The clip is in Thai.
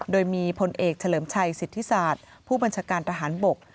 โดยมีพลเอกเฉลิมชัยสิทธิศาสตร์ผู้บัญชาการทหารบก